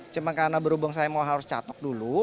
cuma karena berhubung saya mau harus catok dulu